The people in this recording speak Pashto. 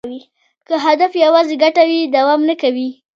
که هدف یوازې ګټه وي، دوام نه کوي.